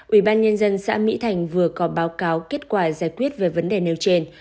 ủy ban nhân dân xã mỹ thành vừa có báo cáo kết quả giải quyết về vấn đề nêu trên